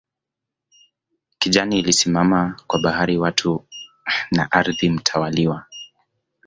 Kijani ilisimama kwa bahari watu na ardhi mtawaliwa